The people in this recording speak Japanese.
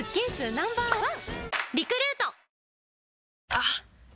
あっ！